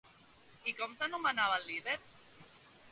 I com s'anomenava el líder?